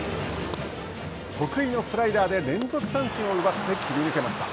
得意のスライダーで連続三振を奪って切り抜けました。